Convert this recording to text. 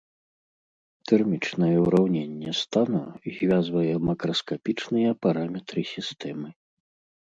Тэрмічнае ўраўненне стану звязвае макраскапічныя параметры сістэмы.